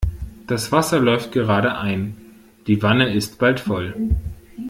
Das Wasser läuft gerade ein, die Wanne ist bald voll.